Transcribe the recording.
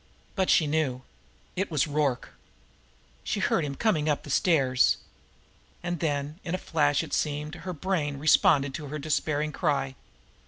But she knew. It was Rorke! She heard him coming up the stairs. And then, in a flash, it seemed, her brain responded to her despairing cry.